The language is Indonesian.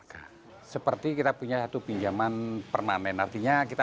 kali sedang dalam langka untuk mengangkat perekonomian mereka